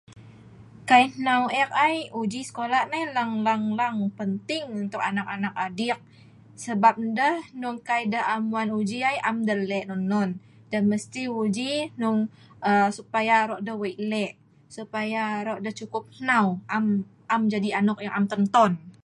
Kai hanu ek ai, uji sekola nai lang lang lang penting untuk anak anak adik sebab endeh hnong kai deh am wan uji ai, am deh leh' non non. Deh mesti uji hnong aaa supaya aro' deh wei' leh' supaa aro' deh cukup hnau, am jadi' anok ton ton.